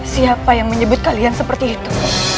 siapa yang menyebut kalian seperti itu